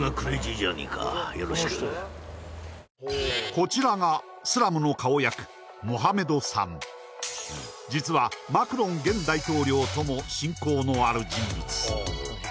こちらが実はマクロン現大統領とも親交のある人物